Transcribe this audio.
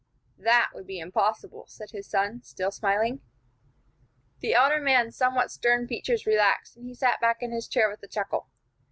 "That would be impossible," said his son, still smiling. The elder man's somewhat stern features relaxed, and he sat back in his chair with a chuckle.